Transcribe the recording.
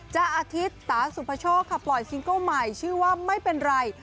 อาทิตย์ตาสุภาโชคค่ะปล่อยซิงเกิ้ลใหม่ชื่อว่าไม่เป็นไร